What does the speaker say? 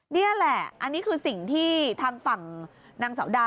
นี่แหละอันนี้คือสิ่งที่ทางฝั่งนางเสาดา